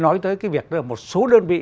nói tới cái việc một số đơn vị